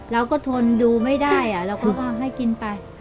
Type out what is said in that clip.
ทนดูไม่ได้เราก็ให้กินไป